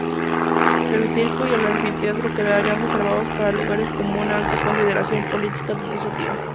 El circo y el anfiteatro quedarían reservados para lugares con una alta consideración político–administrativa.